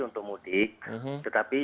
untuk mudik tetapi